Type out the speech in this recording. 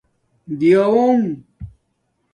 ٹیݸنݣ